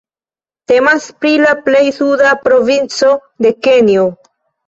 Temas pri la plej suda provinco de Kenjo.